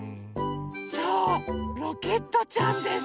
そうロケットちゃんです！